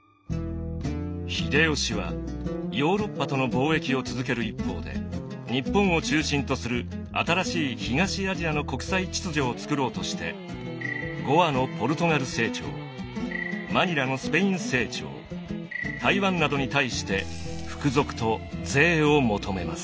秀吉はヨーロッパとの貿易を続ける一方で日本を中心とする新しい東アジアの国際秩序をつくろうとしてゴアのポルトガル政庁マニラのスペイン政庁台湾などに対して服属と税を求めます。